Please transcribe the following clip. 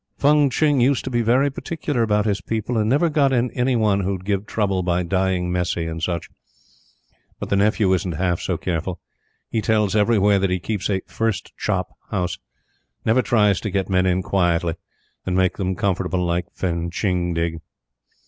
Fung Tching used to be very particular about his people, and never got in any one who'd give trouble by dying messy and such. But the nephew isn't half so careful. He tells everywhere that he keeps a "first chop" house. Never tries to get men in quietly, and make them comfortable like Fung Tching did.